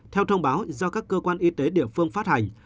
theo thông báo do các cơ quan y tế địa phương phát hành